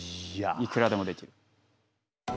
いくらでもできる。